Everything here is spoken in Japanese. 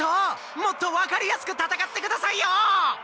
もっと分かりやすくたたかってくださいよ！